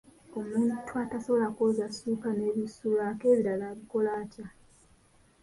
Omuntu atasobola kwoza ssuuka n'ebisulwako ebirala abikola atya?